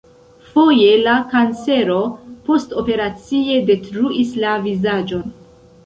Foje la kancero postoperacie detruis la vizaĝon.